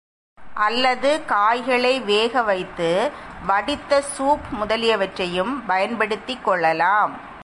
அல்லது காய்களை வேக வைத்து வடித்த சூப் முதலியவற்றையும் பயன்படுத்திக் கொள்ளலாம்.